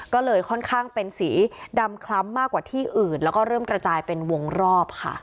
ก็เลยค่อนข้างเป็นสีดำคล้ำมากกว่าที่อื่นแล้วก็เริ่มกระจายเป็นวงรอบค่ะ